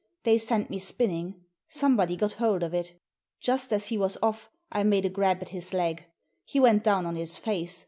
They sent me spinning. Somebody got hold of it. Just as he was off I made a grab at his leg. He went down on his face.